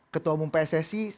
ketua umum pssi